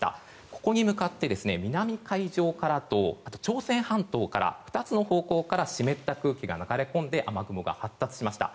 ここに向かって南海上からと朝鮮半島から２つの方向から湿った空気が流れ込んで雨雲が発達しました。